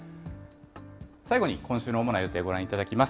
最後に今週の主な予定、ご覧いただきます。